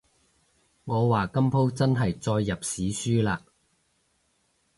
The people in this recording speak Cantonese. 我話今舖真係載入史書喇